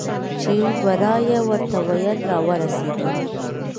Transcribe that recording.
چې ورا یې ورته ویله راورسېدل.